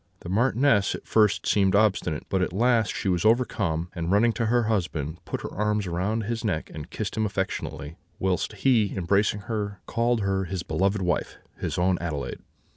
The Marchioness at first seemed obstinate; but at last she was overcome, and running to her husband, put her arms round his neck, and kissed him affectionately; whilst he, embracing her, called her his beloved wife, his own Adelaide.